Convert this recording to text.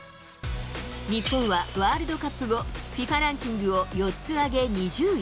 日本はワールドカップ後、ＦＩＦＡランキングを４つ上げ、２０位。